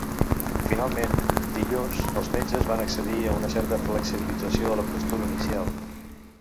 Finalment, dilluns els metges van accedir a una certa flexibilització de la postura inicial.